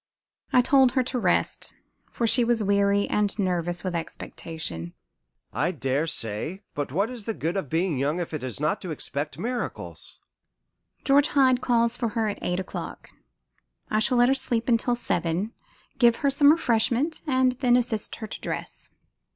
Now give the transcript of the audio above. I told her to rest, for she was weary and nervous with expectation." "I dare say. But what is the good of being young if it is not to expect miracles?" "George Hyde calls for her at eight o'clock. I shall let her sleep until seven, give her some refreshment, and then assist her to dress."